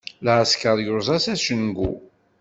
Lɛesker yuẓa s acengu.